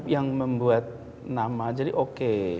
yang membuat nama jadi oke